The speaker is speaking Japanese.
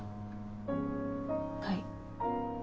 はい。